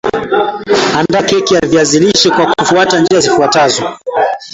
Andaa keki ya viazi lishe kwa kufuata njia zifuatazo